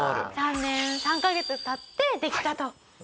３年３カ月経ってできたと。